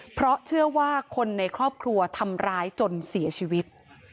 เพราะเชื่อว่าคนในครอบครัวทำร้ายจนเสียชีวิต